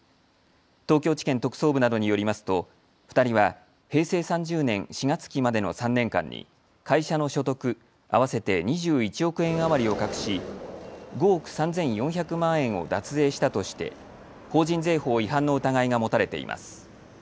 東京地検特捜部などによりますと２人は平成３０年４月期までの３年間に会社の所得合わせて２１億円余りを隠し５億３４００万円を脱税したとして法人税法違反の疑いが持たれています。